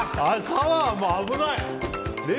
サワーも危ない！